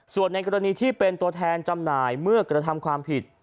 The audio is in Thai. ส่วนในกรณีที่เป็นตัวแทนจำหน่ายเมื่อกระทำความผิด